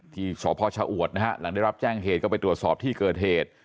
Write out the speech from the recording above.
ที่สพชะอวดนะฮะหลังได้รับแจ้งเหตุก็ไปตรวจสอบที่เกิดเหตุ